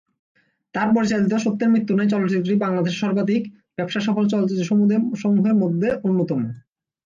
তার পরিচালিত "সত্যের মৃত্যু নাই" চলচ্চিত্রটি বাংলাদেশের সর্বাধিক ব্যবসাসফল চলচ্চিত্রসমূহের মধ্যে অন্যতম।